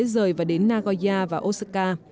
rời và đến nagoya và osaka